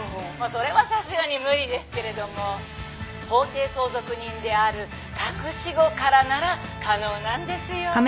それはさすがに無理ですけど法定相続人である隠し子からなら可能なんですよ。